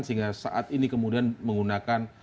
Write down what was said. sehingga saat ini kemudian menggunakan